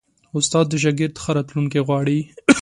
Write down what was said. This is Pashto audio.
استاد د شاګرد ښه راتلونکی غواړي.